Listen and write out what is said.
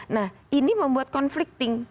nah ini membuat conflicting